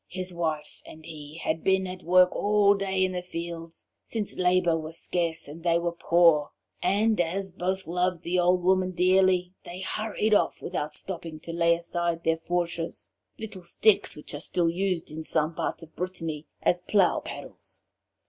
His wife and he had been at work all day in the fields, since labour was scarce and they were poor, and as both loved the old woman dearly, they hurried off without stopping to lay aside their fourches little sticks which are still used in some parts of Brittany as 'plough paddles.'